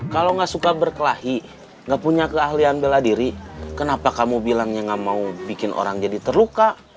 kalau nggak suka berkelahi nggak punya keahlian bela diri kenapa kamu bilangnya gak mau bikin orang jadi terluka